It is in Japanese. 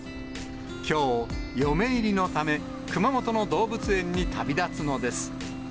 きょう、嫁入りのため、熊本の動物園に旅立つのです。